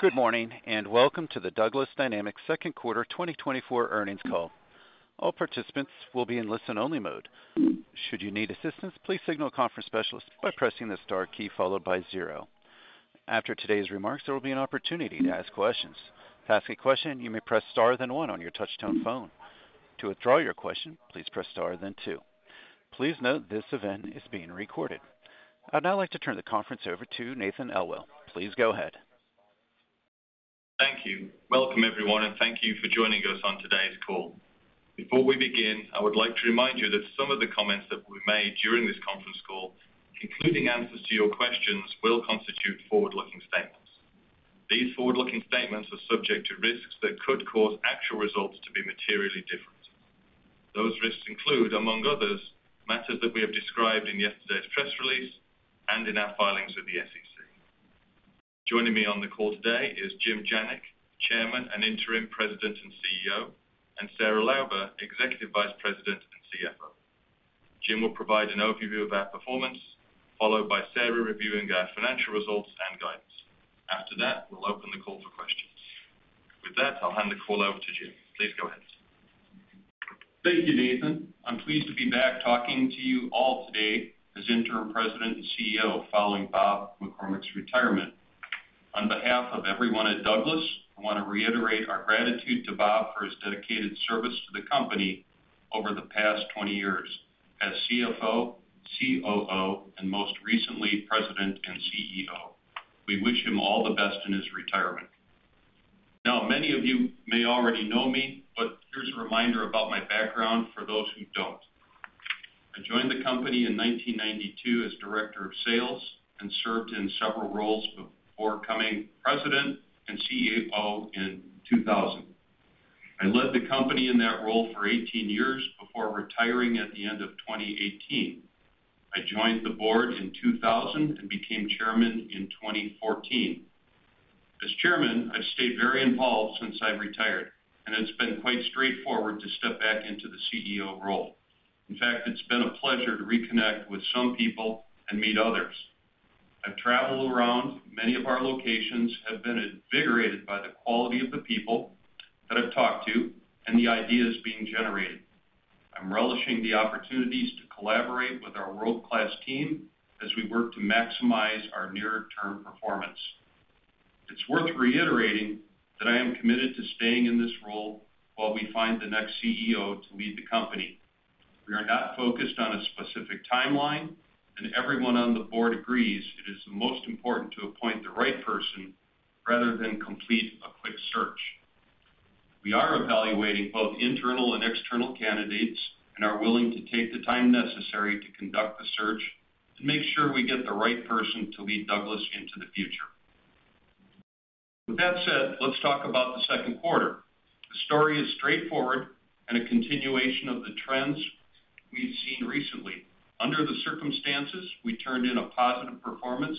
Good morning, and welcome to the Douglas Dynamics second quarter 2024 earnings call. All participants will be in listen-only mode. Should you need assistance, please signal a conference specialist by pressing the star key followed by zero. After today's remarks, there will be an opportunity to ask questions. To ask a question, you may press star, then one on your touchtone phone. To withdraw your question, please press star, then two. Please note this event is being recorded. I'd now like to turn the conference over to Nathan Elwell. Please go ahead. Thank you. Welcome, everyone, and thank you for joining us on today's call. Before we begin, I would like to remind you that some of the comments that we've made during this conference call, including answers to your questions, will constitute forward-looking statements. These forward-looking statements are subject to risks that could cause actual results to be materially different. Those risks include, among others, matters that we have described in yesterday's press release and in our filings with the SEC. Joining me on the call today is Jim Janik, Chairman and Interim President and CEO, and Sarah Lauber, Executive Vice President and CFO. Jim will provide an overview of our performance, followed by Sarah reviewing our financial results and guidance. After that, we'll open the call for questions. With that, I'll hand the call over to Jim. Please go ahead. Thank you, Nathan. I'm pleased to be back talking to you all today as Interim President and CEO following Bob McCormick's retirement. On behalf of everyone at Douglas, I want to reiterate our gratitude to Bob for his dedicated service to the company over the past 20 years as CFO, COO, and most recently, President and CEO. We wish him all the best in his retirement. Now, many of you may already know me, but here's a reminder about my background for those who don't. I joined the company in 1992 as Director of Sales and served in several roles before becoming President and CEO in 2000. I led the company in that role for 18 years before retiring at the end of 2018. I joined the board in 2000 and became Chairman in 2014. As chairman, I've stayed very involved since I retired, and it's been quite straightforward to step back into the CEO role. In fact, it's been a pleasure to reconnect with some people and meet others. I've traveled around many of our locations, have been invigorated by the quality of the people that I've talked to and the ideas being generated. I'm relishing the opportunities to collaborate with our world-class team as we work to maximize our near-term performance. It's worth reiterating that I am committed to staying in this role while we find the next CEO to lead the company. We are not focused on a specific timeline, and everyone on the board agrees it is the most important to appoint the right person rather than complete a quick search. We are evaluating both internal and external candidates and are willing to take the time necessary to conduct the search to make sure we get the right person to lead Douglas into the future. With that said, let's talk about the second quarter. The story is straightforward and a continuation of the trends we've seen recently. Under the circumstances, we turned in a positive performance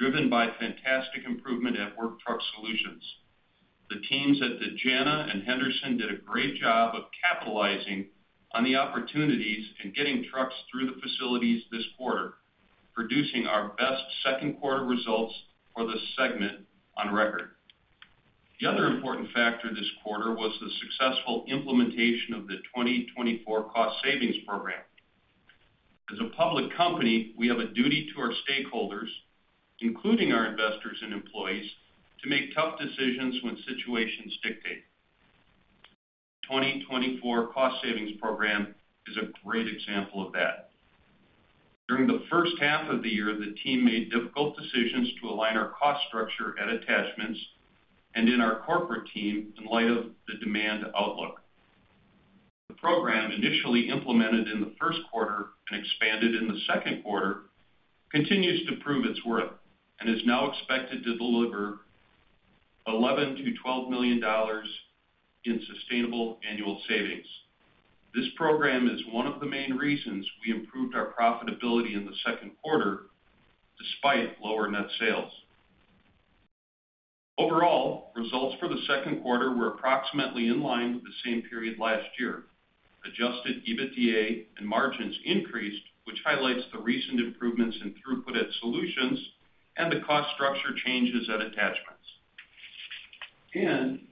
driven by fantastic improvement at Work Truck Solutions. The teams at Dejana and Henderson did a great job of capitalizing on the opportunities and getting trucks through the facilities this quarter, producing our best second quarter results for the segment on record. The other important factor this quarter was the successful implementation of the 2024 cost savings program. As a public company, we have a duty to our stakeholders, including our investors and employees, to make tough decisions when situations dictate. 2024 cost savings program is a great example of that. During the first half of the year, the team made difficult decisions to align our cost structure at Attachments and in our corporate team in light of the demand outlook. The program, initially implemented in the first quarter and expanded in the second quarter, continues to prove its worth and is now expected to deliver $11 million-$12 million in sustainable annual savings. This program is one of the main reasons we improved our profitability in the second quarter, despite lower net sales. Overall, results for the second quarter were approximately in line with the same period last year. Adjusted EBITDA and margins increased, which highlights the recent improvements in throughput at Solutions and the cost structure changes at Attachments.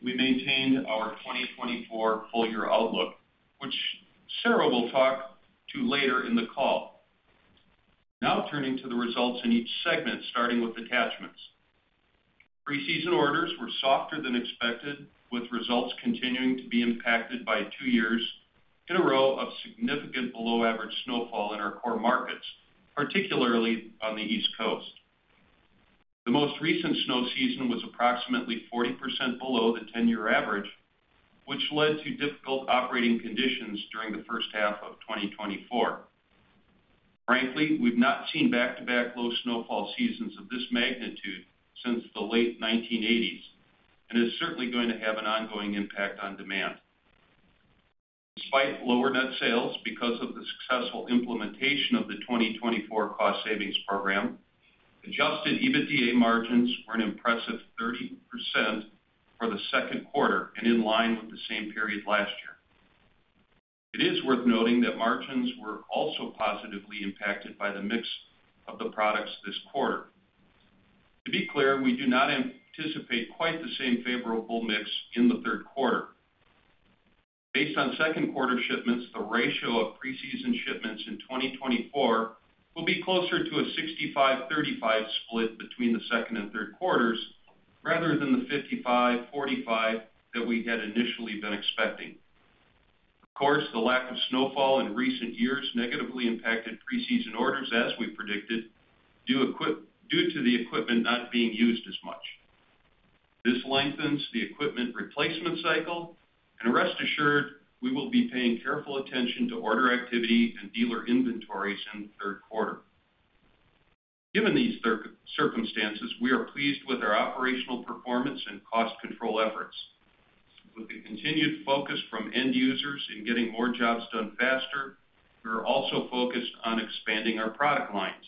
We maintained our 2024 full-year outlook, which Sarah will talk to later in the call. Now, turning to the results in each segment, starting with Attachments. Pre-season orders were softer than expected, with results continuing to be impacted by two years in a row of significant below-average snowfall in our core markets, particularly on the East Coast. The most recent snow season was approximately 40% below the 10-year average, which led to difficult operating conditions during the first half of 2024. Frankly, we've not seen back-to-back low snowfall seasons of this magnitude since the late 1980s, and is certainly going to have an ongoing impact on demand. Despite lower net sales, because of the successful implementation of the 2024 cost savings program, adjusted EBITDA margins were an impressive 30% for the second quarter and in line with the same period last year. It is worth noting that margins were also positively impacted by the mix of the products this quarter. To be clear, we do not anticipate quite the same favorable mix in the third quarter. Based on second quarter shipments, the ratio of preseason shipments in 2024 will be closer to a 65/35 split between the second and third quarters, rather than the 55/45 that we had initially been expecting. Of course, the lack of snowfall in recent years negatively impacted preseason orders, as we predicted, due to the equipment not being used as much. This lengthens the equipment replacement cycle, and rest assured, we will be paying careful attention to order activity and dealer inventories in the third quarter. Given these circumstances, we are pleased with our operational performance and cost control efforts. With the continued focus from end users in getting more jobs done faster, we are also focused on expanding our product lines.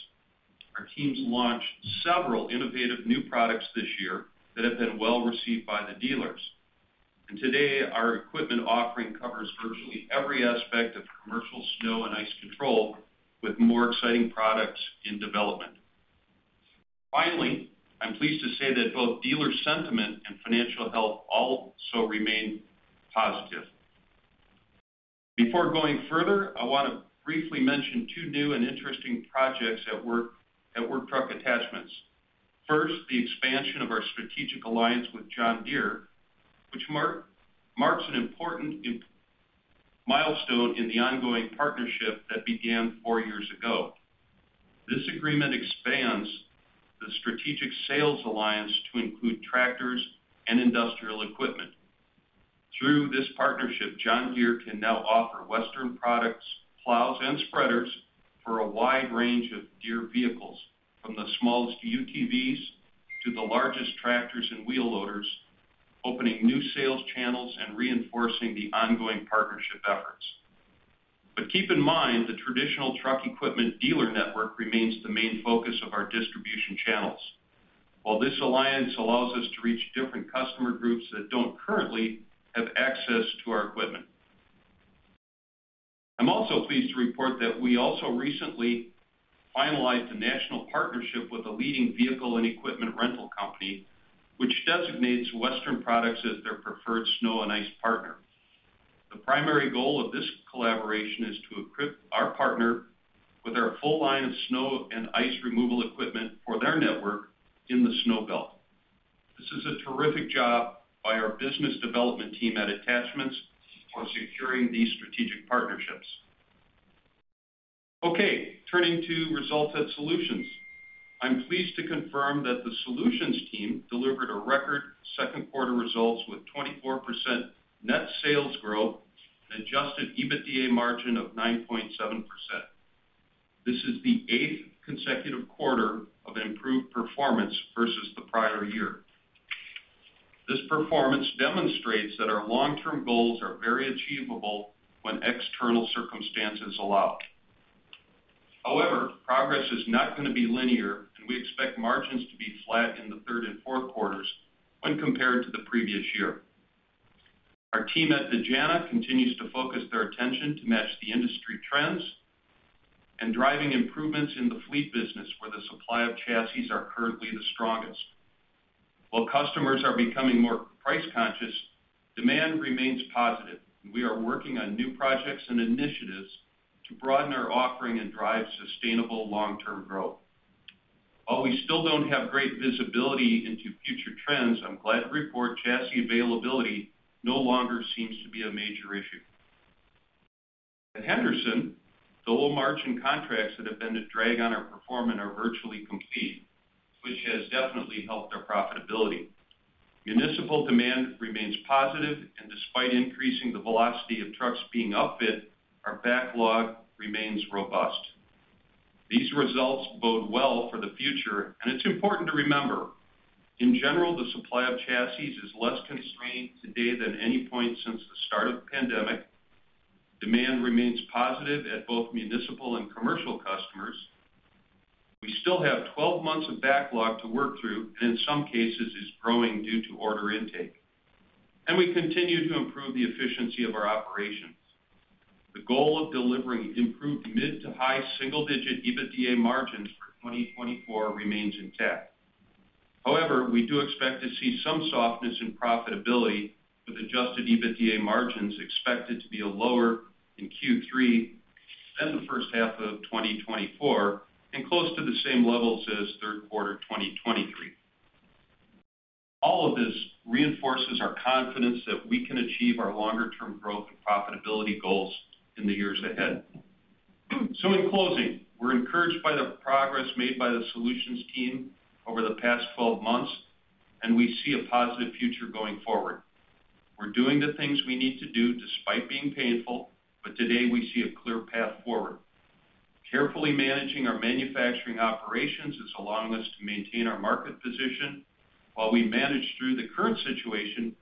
Our teams launched several innovative new products this year that have been well received by the dealers. And today, our equipment offering covers virtually every aspect of commercial snow and ice control, with more exciting products in development. Finally, I'm pleased to say that both dealer sentiment and financial health also remain positive. Before going further, I want to briefly mention two new and interesting projects at work, at Work Truck Attachments. First, the expansion of our strategic alliance with John Deere, which marks an important milestone in the ongoing partnership that began four years ago. This agreement expands the strategic sales alliance to include tractors and industrial equipment. Through this partnership, John Deere can now offer Western Products, plows, and spreaders for a wide range of Deere vehicles, from the smallest UTVs to the largest tractors and wheel loaders, opening new sales channels and reinforcing the ongoing partnership efforts. But keep in mind, the traditional truck equipment dealer network remains the main focus of our distribution channels, while this alliance allows us to reach different customer groups that don't currently have access to our equipment. I'm also pleased to report that we also recently finalized a national partnership with a leading vehicle and equipment rental company, which designates Western Products as their preferred snow and ice partner. The primary goal of this collaboration is to equip our partner with our full line of snow and ice removal equipment for their network in the Snow Belt. This is a terrific job by our business development team at Attachments for securing these strategic partnerships. Okay, turning to results at Solutions. I'm pleased to confirm that the Solutions team delivered a record second quarter results with 24% net sales growth and Adjusted EBITDA margin of 9.7%. This is the eighth consecutive quarter of improved performance versus the prior year. This performance demonstrates that our long-term goals are very achievable when external circumstances allow. However, progress is not going to be linear, and we expect margins to be flat in the third and fourth quarters when compared to the previous year. Our team at Dejana continues to focus their attention to match the industry trends and driving improvements in the fleet business, where the supply of chassis are currently the strongest. While customers are becoming more price conscious, demand remains positive, and we are working on new projects and initiatives to broaden our offering and drive sustainable long-term growth. While we still don't have great visibility into future trends, I'm glad to report chassis availability no longer seems to be a major issue. At Henderson, the low margin contracts that have been a drag on our performance are virtually complete, which has definitely helped our profitability. Municipal demand remains positive, and despite increasing the velocity of trucks being upfit, our backlog remains robust. These results bode well for the future, and it's important to remember, in general, the supply of chassis is less constrained today than any point since the start of the pandemic. Demand remains positive at both municipal and commercial customers. We still have 12 months of backlog to work through, and in some cases, is growing due to order intake. We continue to improve the efficiency of our operations. The goal of delivering improved mid to high single-digit EBITDA margins for 2024 remains intact. However, we do expect to see some softness in profitability, with Adjusted EBITDA margins expected to be lower in Q3 than the first half of 2024 and close to the same levels as third quarter 2023. All of this reinforces our confidence that we can achieve our longer-term growth and profitability goals in the years ahead. In closing, we're encouraged by the progress made by the Solutions team over the past 12 months, and we see a positive future going forward. We're doing the things we need to do despite being painful, but today, we see a clear path forward. Carefully managing our manufacturing operations is allowing us to maintain our market position. While we manage through the current situation,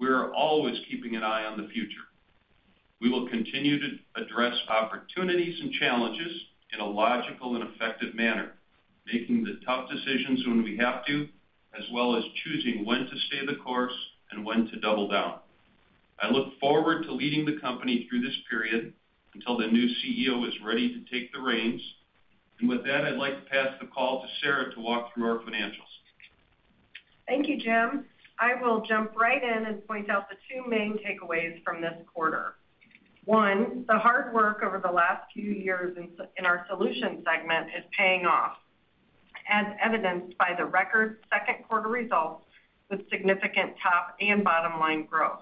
we are always keeping an eye on the future. We will continue to address opportunities and challenges in a logical and effective manner... making the tough decisions when we have to, as well as choosing when to stay the course and when to double down. I look forward to leading the company through this period until the new CEO is ready to take the reins. With that, I'd like to pass the call to Sarah to walk through our financials. Thank you, Jim. I will jump right in and point out the two main takeaways from this quarter. One, the hard work over the last few years in our solutions segment is paying off, as evidenced by the record second quarter results with significant top and bottom line growth.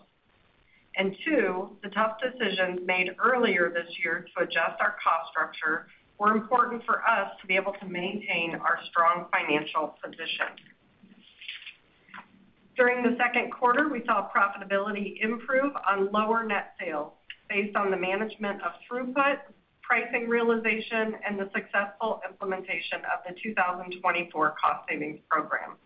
And two, the tough decisions made earlier this year to adjust our cost structure were important for us to be able to maintain our strong financial position. During the second quarter, we saw profitability improve on lower net sales based on the management of throughput, pricing realization, and the successful implementation of the 2024 cost savings program.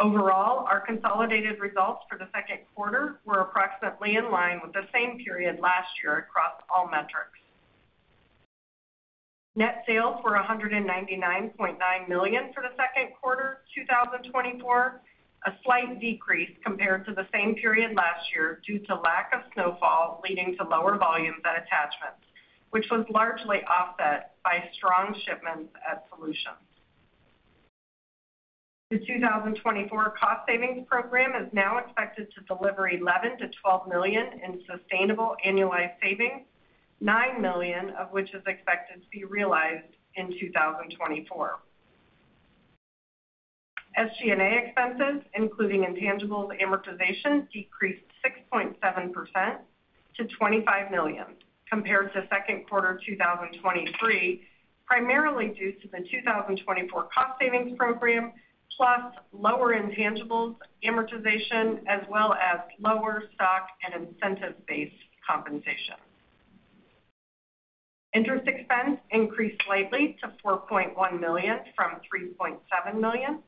Overall, our consolidated results for the second quarter were approximately in line with the same period last year across all metrics. Net sales were $199.9 million for the second quarter 2024, a slight decrease compared to the same period last year due to lack of snowfall, leading to lower volumes at attachments, which was largely offset by strong shipments at Solutions. The 2024 cost savings program is now expected to deliver $11 million-$12 million in sustainable annualized savings, $9 million of which is expected to be realized in 2024. SG&A expenses, including intangibles amortization, decreased 6.7% to $25 million compared to second quarter 2023, primarily due to the 2024 cost savings program, plus lower intangibles amortization, as well as lower stock and incentive-based compensation. Interest expense increased slightly to $4.1 million from $3.7 million.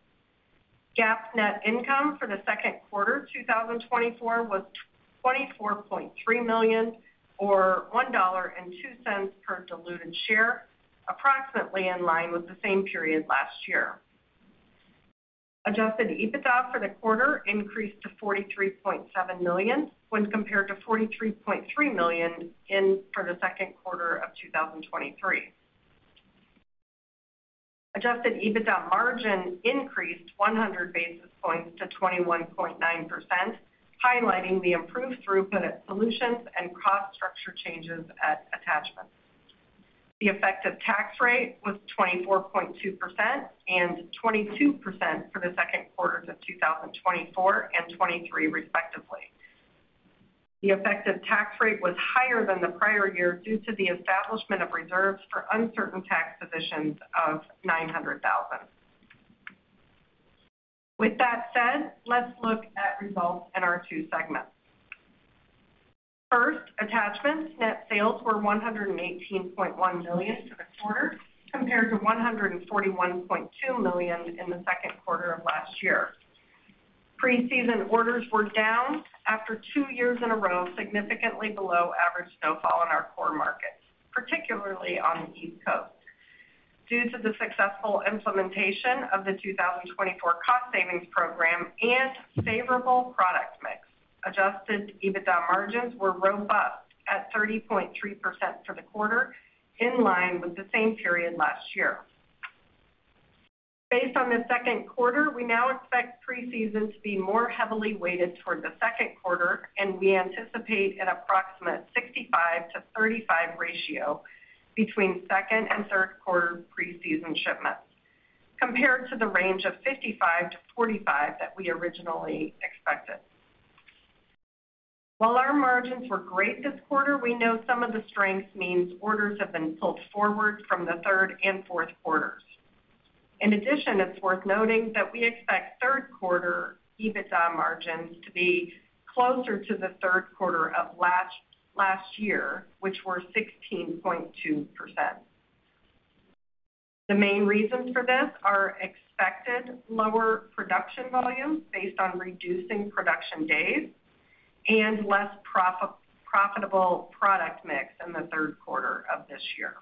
GAAP net income for the second quarter 2024 was $24.3 million, or $1.02 per diluted share, approximately in line with the same period last year. Adjusted EBITDA for the quarter increased to $43.7 million, when compared to $43.3 million in for the second quarter of 2023. Adjusted EBITDA margin increased 100 basis points to 21.9%, highlighting the improved throughput at Solutions and cost structure changes at Attachments. The effective tax rate was 24.2% and 22% for the second quarters of 2024 and 2023, respectively. The effective tax rate was higher than the prior year due to the establishment of reserves for uncertain tax positions of $900,000. With that said, let's look at results in our two segments. First, Attachments. Net sales were $118.1 million for the quarter, compared to $141.2 million in the second quarter of last year. Pre-season orders were down after two years in a row, significantly below average snowfall in our core markets, particularly on the East Coast. Due to the successful implementation of the 2024 cost savings program and favorable product mix, Adjusted EBITDA margins were robust at 30.3% for the quarter, in line with the same period last year. Based on the second quarter, we now expect pre-season to be more heavily weighted toward the second quarter, and we anticipate an approximate 65-35 ratio between second and third quarter pre-season shipments, compared to the range of 55-45 that we originally expected. While our margins were great this quarter, we know some of the strength means orders have been pulled forward from the third and fourth quarters. In addition, it's worth noting that we expect third quarter EBITDA margins to be closer to the third quarter of last, last year, which were 16.2%. The main reasons for this are expected lower production volumes based on reducing production days and less profitable product mix in the third quarter of this year.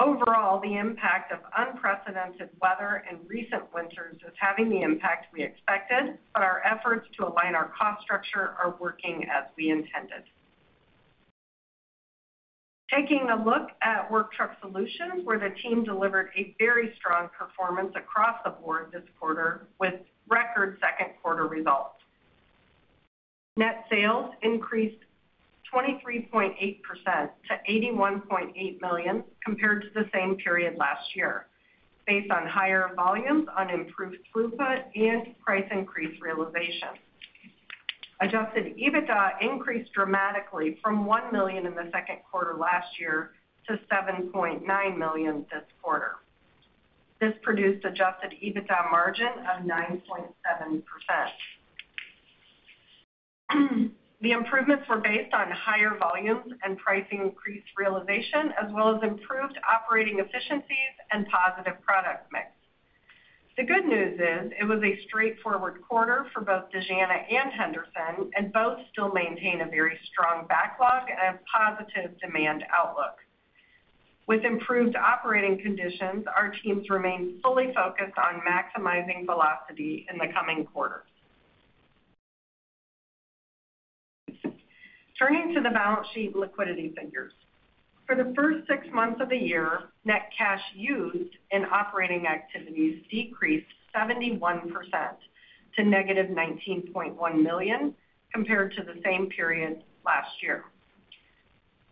Overall, the impact of unprecedented weather in recent winters is having the impact we expected, but our efforts to align our cost structure are working as we intended. Taking a look at Work Truck Solutions, where the team delivered a very strong performance across the board this quarter with record second quarter results. Net sales increased 23.8% to $81.8 million compared to the same period last year, based on higher volumes on improved throughput and price increase realization. Adjusted EBITDA increased dramatically from $1 million in the second quarter last year to $7.9 million this quarter. This produced Adjusted EBITDA margin of 9.7%. The improvements were based on higher volumes and pricing increase realization, as well as improved operating efficiencies and positive product mix.... The good news is, it was a straightforward quarter for both Dejana and Henderson, and both still maintain a very strong backlog and a positive demand outlook. With improved operating conditions, our teams remain fully focused on maximizing velocity in the coming quarters. Turning to the balance sheet liquidity figures. For the first six months of the year, net cash used in operating activities decreased 71% to -$19.1 million, compared to the same period last year.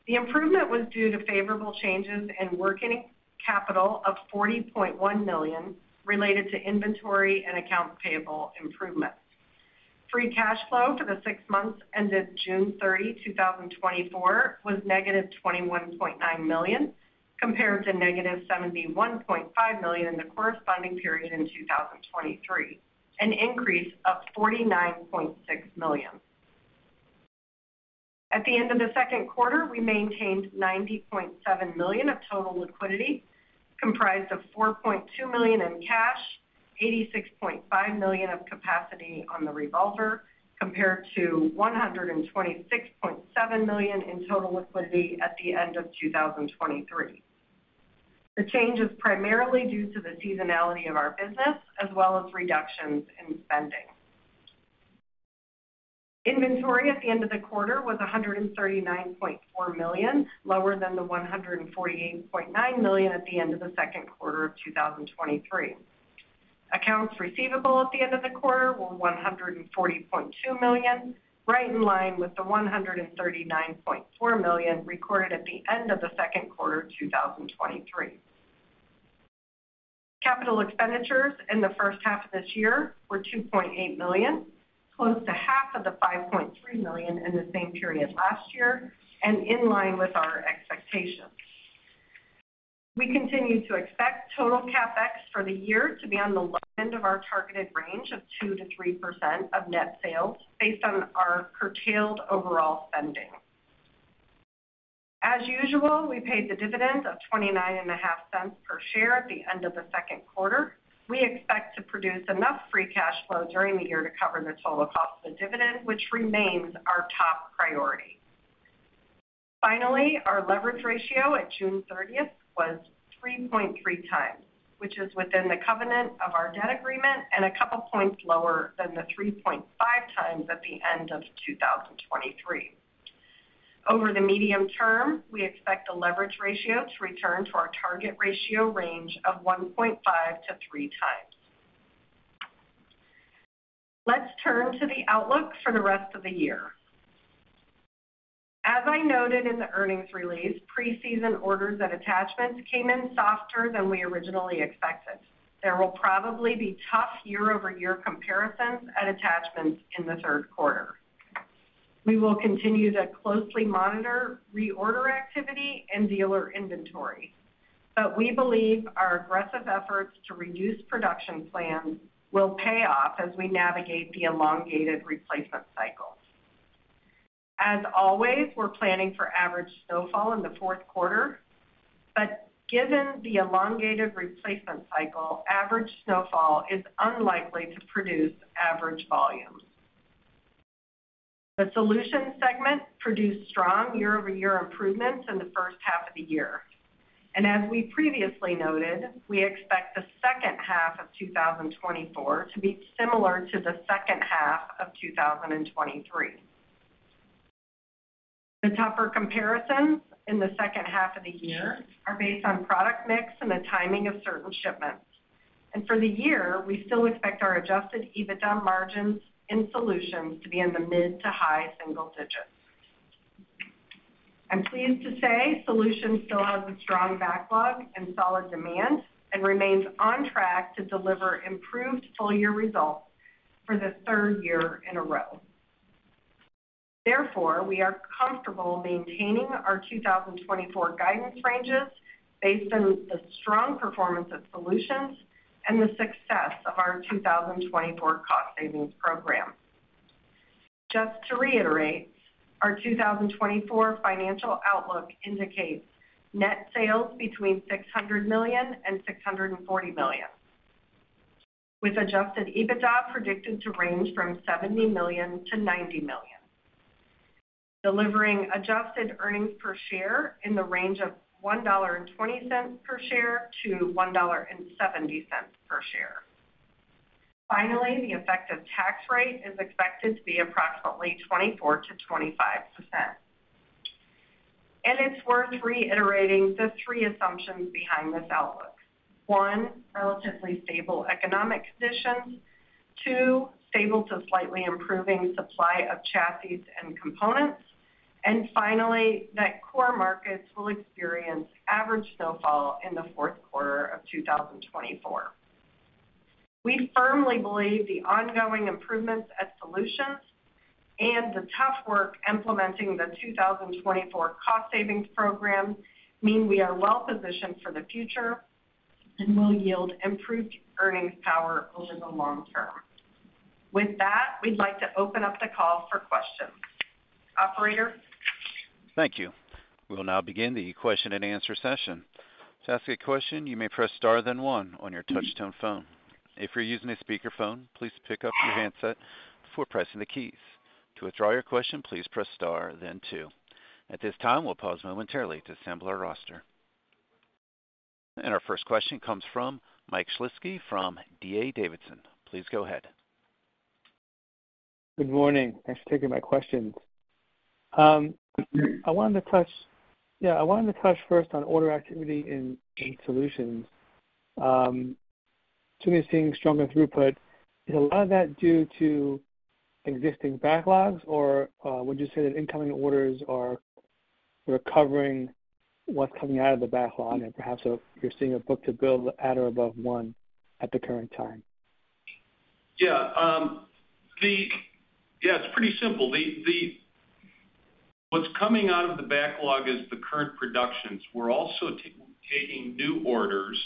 The improvement was due to favorable changes in working capital of $40.1 million, related to inventory and accounts payable improvements. Free cash flow for the six months ended June 30, 2024, was -$21.9 million, compared to -$71.5 million in the corresponding period in 2023, an increase of $49.6 million. At the end of the second quarter, we maintained $90.7 million of total liquidity, comprised of $4.2 million in cash, $86.5 million of capacity on the revolver, compared to $126.7 million in total liquidity at the end of 2023. The change is primarily due to the seasonality of our business, as well as reductions in spending. Inventory at the end of the quarter was $139.4 million, lower than the $148.9 million at the end of the second quarter of 2023. Accounts receivable at the end of the quarter were $140.2 million, right in line with the $139.4 million recorded at the end of the second quarter of 2023. Capital expenditures in the first half of this year were $2.8 million, close to half of the $5.3 million in the same period last year, and in line with our expectations. We continue to expect total CapEx for the year to be on the low end of our targeted range of 2%-3% of net sales based on our curtailed overall spending. As usual, we paid the dividend of $0.295 per share at the end of the second quarter. We expect to produce enough free cash flow during the year to cover the total cost of the dividend, which remains our top priority. Finally, our leverage ratio at June 30th was 3.3x, which is within the covenant of our debt agreement and a couple of points lower than the 3.5x at the end of 2023. Over the medium term, we expect the leverage ratio to return to our target ratio range of 1.5-3x. Let's turn to the outlook for the rest of the year. As I noted in the earnings release, preseason orders at Attachments came in softer than we originally expected. There will probably be tough year-over-year comparisons at Attachments in the third quarter. We will continue to closely monitor reorder activity and dealer inventory, but we believe our aggressive efforts to reduce production plans will pay off as we navigate the elongated replacement cycle. As always, we're planning for average snowfall in the fourth quarter, but given the elongated replacement cycle, average snowfall is unlikely to produce average volumes. The Solutions segment produced strong year-over-year improvements in the first half of the year, and as we previously noted, we expect the second half of 2024 to be similar to the second half of 2023. The tougher comparisons in the second half of the year are based on product mix and the timing of certain shipments. And for the year, we still expect our Adjusted EBITDA margins in Solutions to be in the mid- to high-single digits. I'm pleased to say Solutions still has a strong backlog and solid demand, and remains on track to deliver improved full-year results for the third year in a row. Therefore, we are comfortable maintaining our 2024 guidance ranges based on the strong performance of Solutions and the success of our 2024 cost savings program. Just to reiterate, our 2024 financial outlook indicates net sales between $600 million and $640 million, with Adjusted EBITDA predicted to range from $70 million to $90 million, delivering adjusted earnings per share in the range of $1.20 per share to $1.70 per share. Finally, the effective tax rate is expected to be approximately 24%-25%. It's worth reiterating the three assumptions behind this outlook. One, relatively stable economic conditions. Two, stable to slightly improving supply of chassis and components. And finally, that core markets will experience average snowfall in the fourth quarter of 2024. We firmly believe the ongoing improvements at Solutions and the tough work implementing the 2024 cost savings program, mean we are well-positioned for the future and will yield improved earnings power over the long term. With that, we'd like to open up the call for questions.... Operator? Thank you. We will now begin the question and answer session. To ask a question, you may press star, then one on your touchtone phone. If you're using a speakerphone, please pick up your handset before pressing the keys. To withdraw your question, please press star then two. At this time, we'll pause momentarily to assemble our roster. Our first question comes from Mike Schlisky from D.A. Davidson. Please go ahead. Good morning. Thanks for taking my questions. I wanted to touch first on order activity in the Solutions. To me, seeing stronger throughput, is a lot of that due to existing backlogs? Or, would you say that incoming orders are recovering what's coming out of the backlog, and perhaps if you're seeing a book-to-bill at or above one at the current time? Yeah. Yeah, it's pretty simple. What's coming out of the backlog is the current productions. We're also taking new orders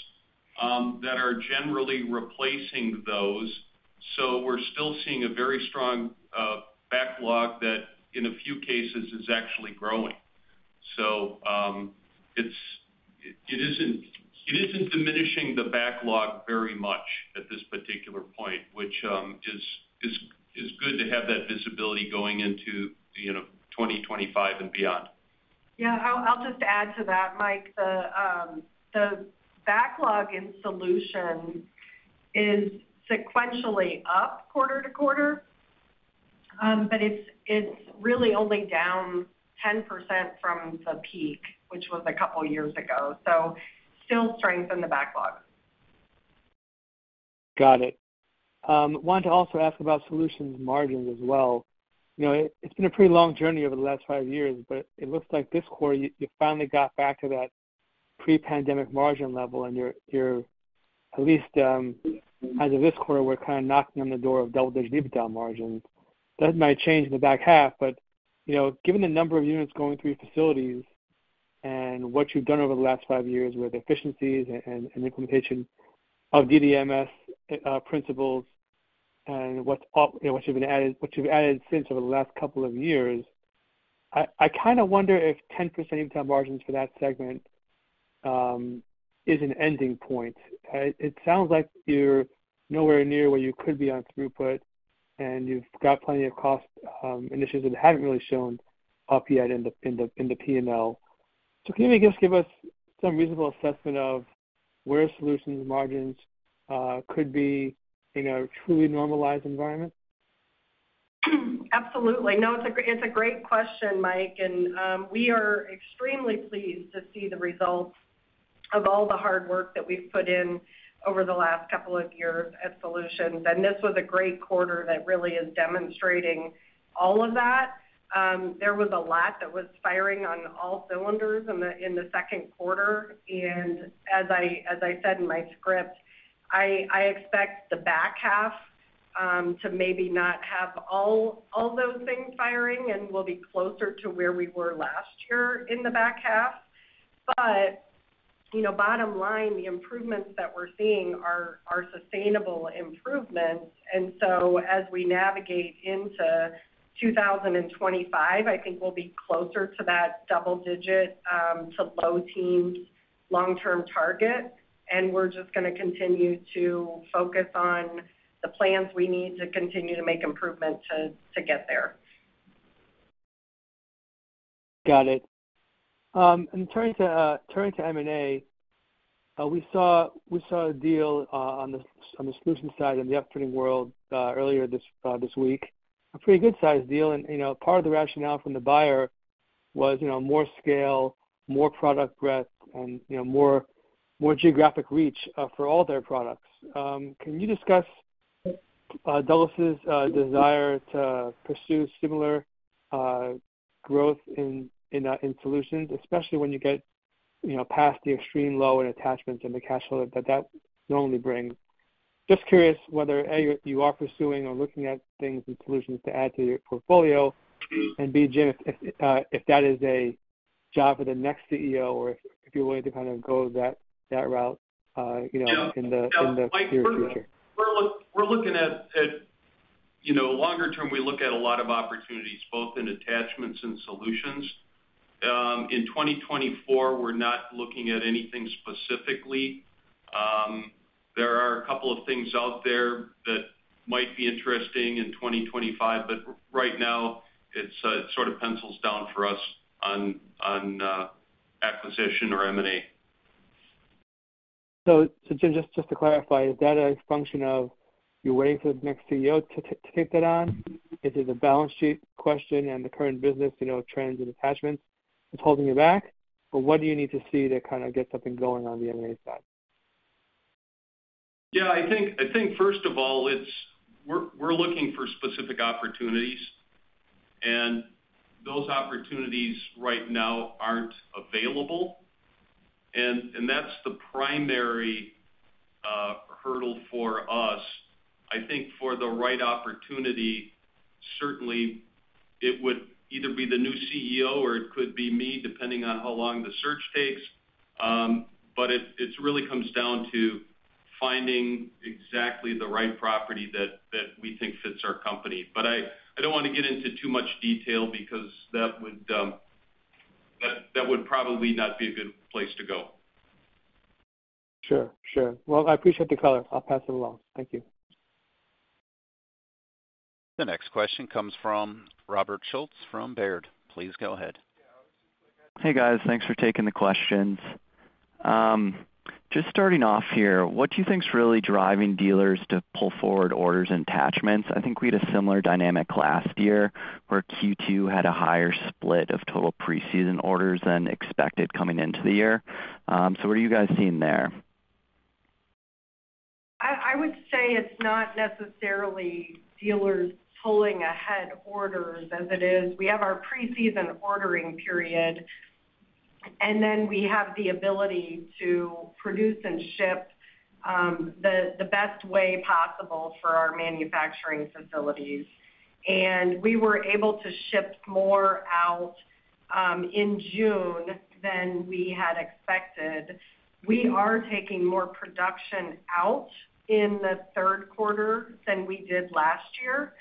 that are generally replacing those. So we're still seeing a very strong backlog that, in a few cases, is actually growing. So, it isn't diminishing the backlog very much at this particular point, which is good to have that visibility going into, you know, 2025 and beyond. Yeah, I'll just add to that, Mike. The backlog in Solutions is sequentially up quarter to quarter, but it's really only down 10% from the peak, which was a couple years ago. So still strength in the backlog. Got it. Wanted to also ask about solutions margins as well. You know, it's been a pretty long journey over the last five years, but it looks like this quarter, you finally got back to that pre-pandemic margin level, and you're at least, as of this quarter, we're kind of knocking on the door of double-digit EBITDA margins. That might change in the back half, but, you know, given the number of units going through your facilities and what you've done over the last five years with efficiencies and implementation of DDMS principles and what you've added over the last couple of years, I kind of wonder if 10% income margins for that segment is an ending point. It sounds like you're nowhere near where you could be on throughput, and you've got plenty of cost initiatives that haven't really shown up yet in the P&L. So can you just give us some reasonable assessment of where solutions margins could be in a truly normalized environment? Absolutely. No, it's a great question, Mike, and we are extremely pleased to see the results of all the hard work that we've put in over the last couple of years at Solutions. And this was a great quarter that really is demonstrating all of that. There was a lot that was firing on all cylinders in the second quarter, and as I said in my script, I expect the back half to maybe not have all those things firing, and we'll be closer to where we were last year in the back half. But you know, bottom line, the improvements that we're seeing are sustainable improvements. As we navigate into 2025, I think we'll be closer to that double-digit to low teens long-term target, and we're just gonna continue to focus on the plans we need to continue to make improvements to, to get there. Got it. Turning to M&A, we saw, we saw a deal on the Solutions side in the upfitting world earlier this week, a pretty good-sized deal. You know, part of the rationale from the buyer was, you know, more scale, more product breadth and, you know, more geographic reach for all their products. Can you discuss Douglas's desire to pursue similar growth in solutions, especially when you get, you know, past the extreme low in attachments and the cash flow that that normally brings? Just curious whether, A, you are pursuing or looking at things and solutions to add to your portfolio, and B, Jim, if that is a job for the next CEO or if you wanted to kind of go that route, you know, in the- Yeah... in the near future. We're looking at, you know, longer term, we look at a lot of opportunities, both in attachments and solutions. In 2024, we're not looking at anything specifically. There are a couple of things out there that might be interesting in 2025, but right now, it's it sort of pencils down for us on acquisition or M&A. So, Jim, just to clarify, is that a function of you're waiting for the next CEO to take that on? Is it a balance sheet question and the current business, you know, trends and attachments that's holding you back? Or what do you need to see to kind of get something going on the M&A side? Yeah, I think first of all, it's we're looking for specific opportunities, and those opportunities right now aren't available. And that's the primary hurdle for us. I think for the right opportunity, certainly it would either be the new CEO or it could be me, depending on how long the search takes. But it's really comes down to finding exactly the right property that we think fits our company. But I don't want to get into too much detail because that would, that would probably not be a good place to go. Sure. Sure. Well, I appreciate the color. I'll pass it along. Thank you. The next question comes from Robert Schultz from Baird. Please go ahead. Hey, guys. Thanks for taking the questions. Just starting off here, what do you think is really driving dealers to pull forward orders and attachments? I think we had a similar dynamic last year, where Q2 had a higher split of total preseason orders than expected coming into the year. So what are you guys seeing there? I would say it's not necessarily dealers pulling ahead orders as it is. We have our pre-season ordering period, and then we have the ability to produce and ship the best way possible for our manufacturing facilities. And we were able to ship more out in June than we had expected. We are taking more production out in the third quarter than we did last year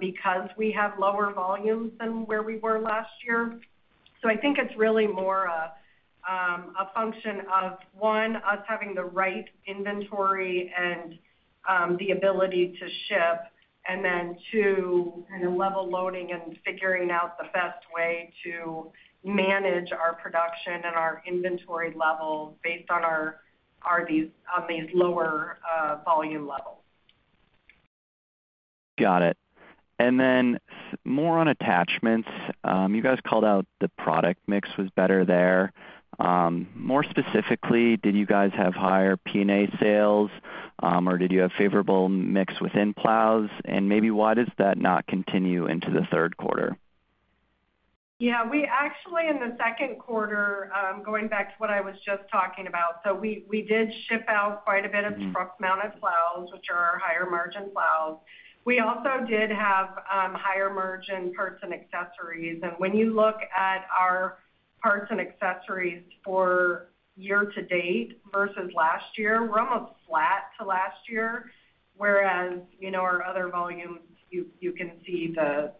because we have lower volumes than where we were last year. So I think it's really more a function of, one, us having the right inventory and the ability to ship, and then, two, kind of level loading and figuring out the best way to manage our production and our inventory level based on our on these lower volume levels. Got it. And then more on attachments. You guys called out the product mix was better there. More specifically, did you guys have higher P&A sales, or did you have favorable mix within plows? And maybe why does that not continue into the third quarter? Yeah, we actually, in the second quarter, going back to what I was just talking about, so we did ship out quite a bit of truck-mounted plows, which are our higher margin plows. We also did have higher margin parts and accessories. And when you look at our parts and accessories for year to date versus last year, we're almost flat to last year, whereas, you know, our other volumes, you can see the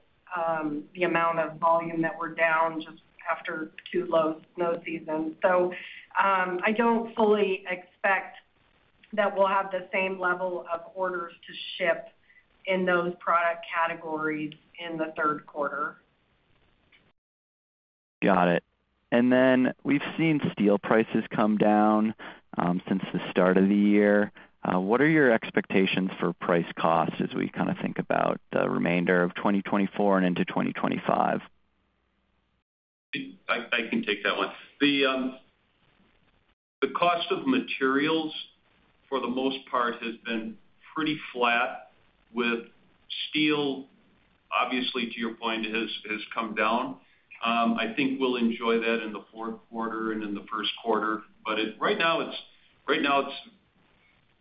amount of volume that we're down just after two low snow seasons. So, I don't fully expect that we'll have the same level of orders to ship in those product categories in the third quarter. Got it. And then we've seen steel prices come down, since the start of the year. What are your expectations for price costs as we kind of think about the remainder of 2024 and into 2025? I can take that one. The cost of materials, for the most part, has been pretty flat, with steel, obviously, to your point, has come down. I think we'll enjoy that in the fourth quarter and in the first quarter. But right now, it's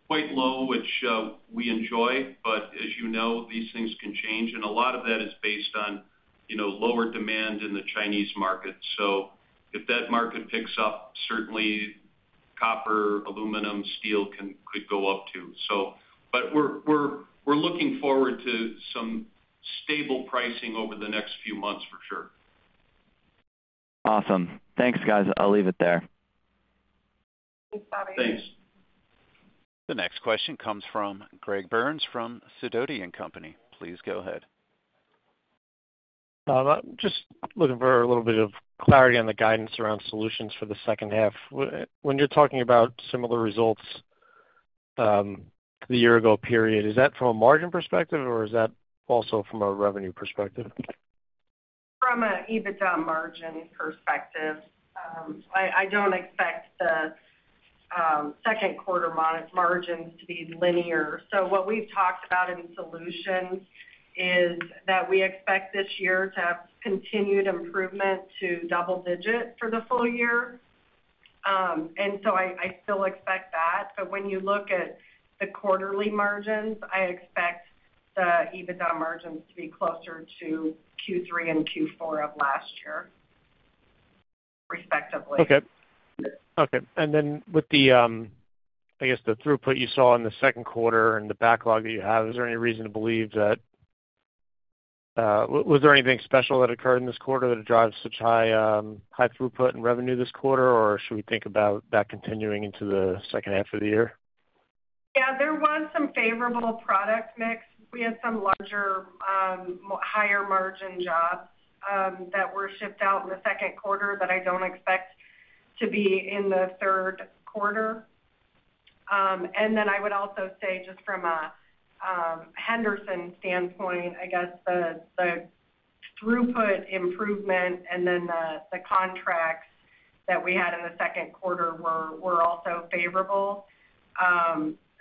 quite low, which we enjoy. But as you know, these things can change, and a lot of that is based on, you know, lower demand in the Chinese market. So if that market picks up, certainly copper, aluminum, steel could go up, too. So but we're looking forward to some stable pricing over the next few months, for sure. Awesome. Thanks, guys. I'll leave it there. Thanks, Robert. Thanks. The next question comes from Greg Burns from Sidoti & Company. Please go ahead. Just looking for a little bit of clarity on the guidance around solutions for the second half. When you're talking about similar results, the year ago period, is that from a margin perspective, or is that also from a revenue perspective? From an EBITDA margin perspective, I don't expect the second quarter margins to be linear. So what we've talked about in solutions is that we expect this year to have continued improvement to double digits for the full year. And so I still expect that, but when you look at the quarterly margins, I expect the EBITDA margins to be closer to Q3 and Q4 of last year, respectively. Okay. Okay. And then with the, I guess, the throughput you saw in the second quarter and the backlog that you have, is there any reason to believe that... was there anything special that occurred in this quarter that drives such high, high throughput and revenue this quarter, or should we think about that continuing into the second half of the year? Yeah, there was some favorable product mix. We had some larger, more higher margin jobs that were shipped out in the second quarter that I don't expect to be in the third quarter. And then I would also say, just from a Henderson standpoint, I guess, the throughput improvement and then the contracts that we had in the second quarter were also favorable.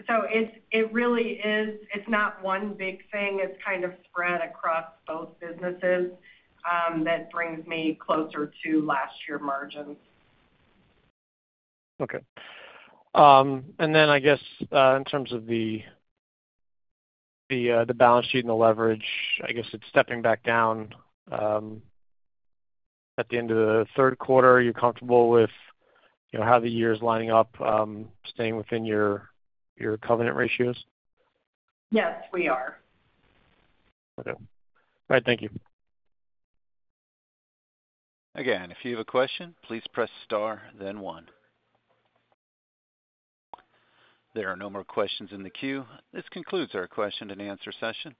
So it's, it really is - it's not one big thing. It's kind of spread across both businesses that brings me closer to last year's margins. Okay. And then, I guess, in terms of the balance sheet and the leverage, I guess it's stepping back down at the end of the third quarter. Are you comfortable with, you know, how the year is lining up, staying within your covenant ratios? Yes, we are. Okay. All right, thank you. Again, if you have a question, please press star then one. There are no more questions in the queue. This concludes our question-and-answer session.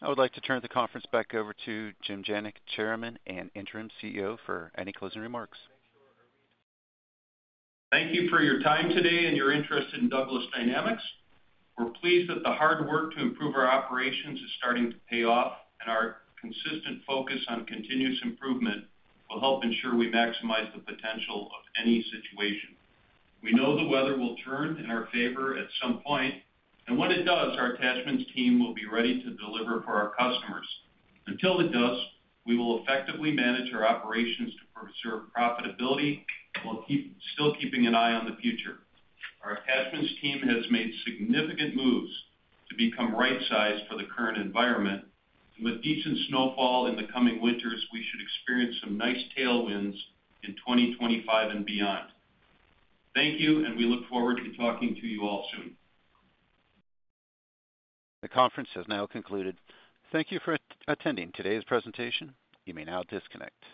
I would like to turn the conference back over to Jim Janik, Chairman and Interim CEO, for any closing remarks. Thank you for your time today and your interest in Douglas Dynamics. We're pleased that the hard work to improve our operations is starting to pay off, and our consistent focus on continuous improvement will help ensure we maximize the potential of any situation. We know the weather will turn in our favor at some point, and when it does, our attachments team will be ready to deliver for our customers. Until it does, we will effectively manage our operations to preserve profitability while still keeping an eye on the future. Our attachments team has made significant moves to become right-sized for the current environment. With decent snowfall in the coming winters, we should experience some nice tailwinds in 2025 and beyond. Thank you, and we look forward to talking to you all soon. The conference has now concluded. Thank you for attending today's presentation. You may now disconnect.